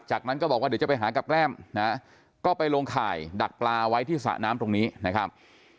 จากนั้นก็บอกว่าเดี๋ยวจะไปหากับแกล้มนะก็ไปลงข่ายดักปลาไว้ที่สระน้ำตรงนี้นะครับ